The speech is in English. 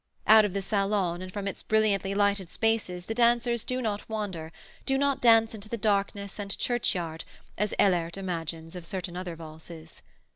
Out of the salon and from its brilliantly lighted spaces the dancers do not wander, do not dance into the darkness and churchyard, as Ehlert imagines of certain other valses.